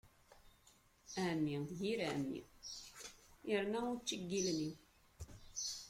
Ɛemmi d yir ɛemmi, irna učči n yilni.